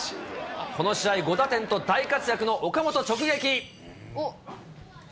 この試合、５打点と大活躍の岡本直撃。